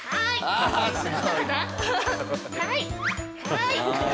はい。